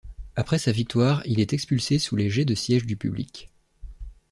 Après sa victoire, il est expulsé sous les jets de sièges du public.